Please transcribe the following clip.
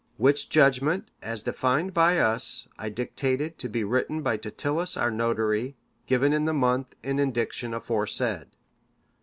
Which judgement, as defined by us, I dictated to be written by Titillus our notary. Given in the month and indiction aforesaid.